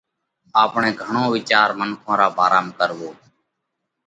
آپڻئہ گھڻو وِيچار منکون را ڀارام ڪروو،